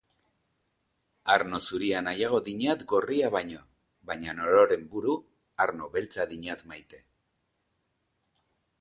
Arno zuria nahiago dinat gorria baino, baina ororen buru, arno beltza dinat maite.